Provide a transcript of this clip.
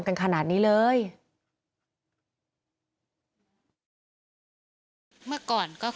พุ่งเข้ามาแล้วกับแม่แค่สองคน